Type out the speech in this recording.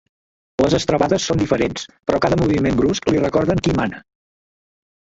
Les estrebades són diferents, però cada moviment brusc li recorden qui mana.